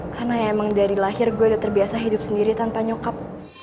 karena emang dari lahir gue udah terbiasa hidup sendiri tanpa nyokap